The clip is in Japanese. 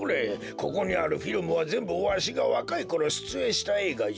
ここにあるフィルムはぜんぶわしがわかいころしゅつえんしたえいがじゃ。